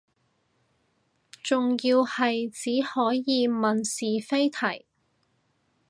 仲要係只可以問是非題